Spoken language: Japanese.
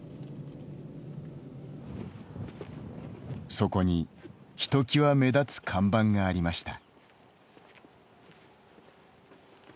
そこに、ひときわ目立つ看板がありました。